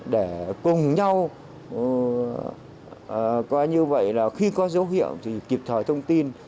để cùng nhau khi có dấu hiệu thì kịp thời thông tin